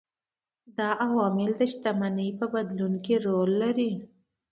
دا عوامل د شتمنۍ په بدلون کې رول لري.